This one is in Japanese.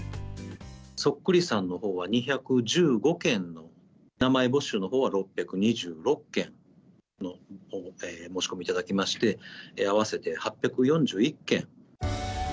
そっくりさんのほうは２１５件の、名前募集のほうは６２６件の申し込みいただきまして、合わせて８４１件。